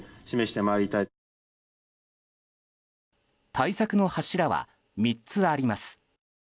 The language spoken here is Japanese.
対策の柱は３つあります。